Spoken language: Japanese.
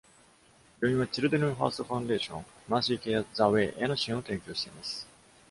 病院は、「チルドレンファースト・ファウンデーション」「マーシー・ケア、「ザ・ウェイ」への支援を提供しています。